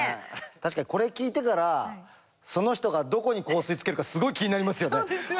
確かにこれ聞いてからその人がどこに香水つけるかすごい気になりますよね。